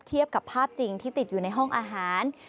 เทียบกับภาพจริงที่ติดอยู่ในห้องอาหาร